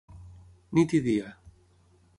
Nit i dia.